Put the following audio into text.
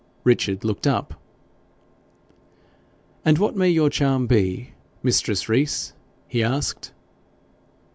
Richard looked up. 'And what may your charm be, mistress Rees?' he asked.